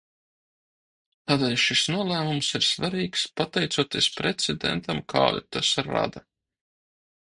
Tādēļ šis nolēmums ir svarīgs, pateicoties precedentam, kādu tas rada.